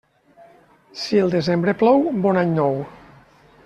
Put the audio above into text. Si el desembre plou, bon any nou.